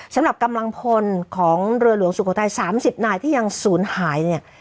สำหรับกำลังพลของเรือหลวงสุโขทัย๓๐นายที่ยังศูนย์หายเนี่ย